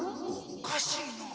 おかしいな。